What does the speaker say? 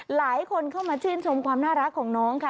หลายคนเข้ามาชื่นชมความน่ารักของน้องค่ะ